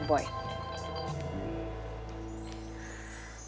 sakit tampak ini